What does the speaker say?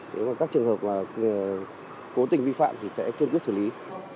còn các trường hợp là cố tình vi phạm thì sẽ kết quyết xử lý